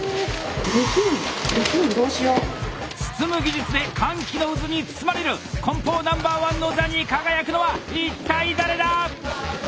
包む技術で歓喜の渦に包まれる梱包ナンバー１の座に輝くのは一体誰だ！